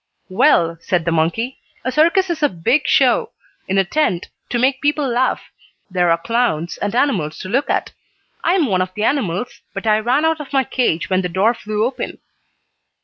"Well," said the monkey, "a circus is a big show in a tent, to make people laugh. There are clowns, and animals to look at. I am one of the animals, but I ran out of my cage when the door flew open."